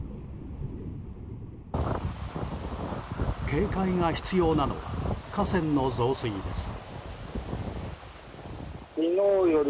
警戒が必要なのは河川の増水です。